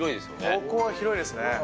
ここは広いですね。